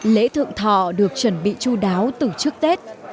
lễ thượng thọ được chuẩn bị chú đáo từ trước tết